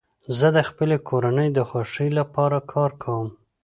زه د خپلي کورنۍ د خوښۍ له پاره کار کوم.